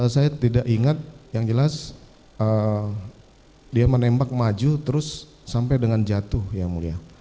saya tidak ingat yang jelas dia menembak maju terus sampai dengan jatuh yang mulia